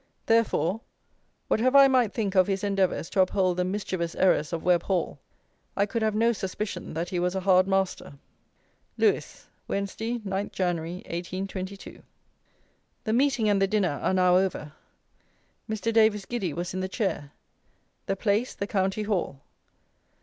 Therefore, whatever I might think of his endeavours to uphold the mischievous errors of Webb Hall, I could have no suspicion that he was a hard master. Lewes, Wednesday, 9 Jan. 1822. The Meeting and the Dinner are now over. Mr. Davies Giddy was in the Chair: the place the County Hall.